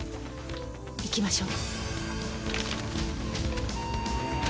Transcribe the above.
行きましょう。